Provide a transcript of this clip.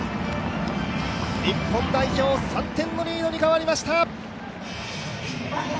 日本代表、３点のリードに変わりました。